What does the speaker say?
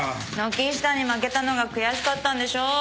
軒下に負けたのが悔しかったんでしょ。